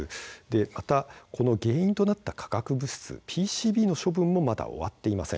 またこの原因となった化学物質ＰＣＢの処分もまだ終わっていません。